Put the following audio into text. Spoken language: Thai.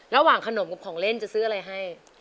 ระหว่างขนมกับของเล่นจะซื้ออะไรให้